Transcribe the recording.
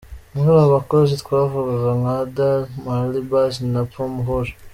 Muri abo bakozi twavuga nka: Adal ,Marley Bass na Paume Rouge.